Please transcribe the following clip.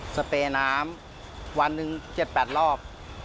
สเปย์น้ำวันหนึ่ง๗๘รอบ